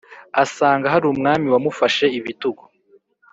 asanga harumwami wamufashe ibitugu